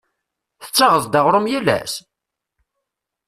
Tettaɣeḍ-d aɣrum yal ass?